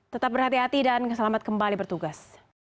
tetap berhati hati dan selamat kembali bertugas